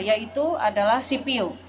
yaitu adalah cpo